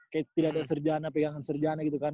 kayak tidak ada serjana pegangan serjana gitu kan